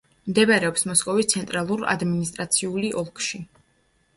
მდებარეობს მოსკოვის ცენტრალურ ადმინისტრაციული ოლქში.